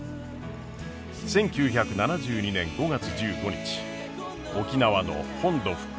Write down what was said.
１９７２年５月１５日沖縄の本土復帰。